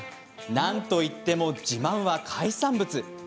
なんといっても、自慢は海産物。